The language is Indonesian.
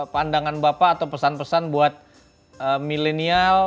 pandangan bapak atau pesan pesan buat milenial